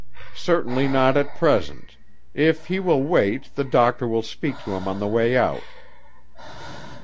Certainly not at present. If he will wait, the doctor will speak to him on the way out."